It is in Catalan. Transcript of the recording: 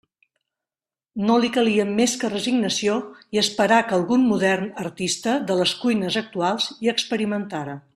No li calia més que resignació i esperar que algun modern artista de les cuines actuals hi experimentara.